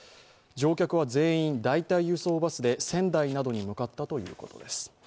乗客は全員代替輸送バスで仙台などに向かったということです。